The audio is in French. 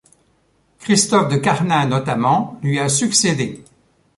Christophe Decarnin, notamment, lui a succédé.